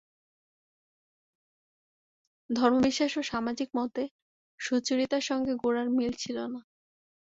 ধর্মবিশ্বাস ও সামাজিক মতে সুচরিতার সঙ্গে গোরার মিল ছিল না।